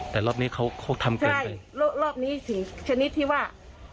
แต่รอบนี้เขาทำใช่รอบนี้ถึงชนิดที่ว่า